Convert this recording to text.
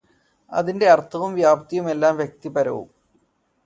അതിന്റെ അർത്ഥവും വ്യാപ്തിയുമെല്ലാം വ്യക്തിപരവും.